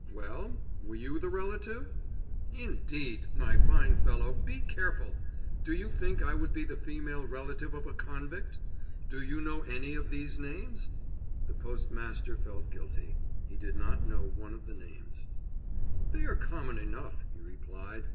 "Well, were you the relative?" "Indeed! my fine fellow, be careful! Do you think I would be the female relative of a convict? Do you not know any of these names?" The postmaster felt guilty; he did know one of the names. "They are common enough," he replied.